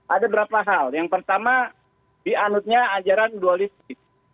ada berapa hal yang pertama dianudnya ajaran dualistik